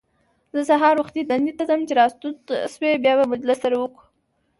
زه سهار وختي دندې ته ځم، چې راستون شوې بیا به مجلس سره وکړو.